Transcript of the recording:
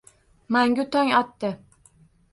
Mangu tong otdi.